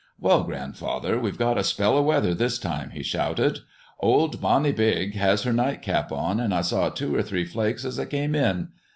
"Well, grandfather, we've got a 'spell o' weather' this time," he shouted. "Old Bonny Beag has her nightcap on, and I saw two or three flakes as I came in.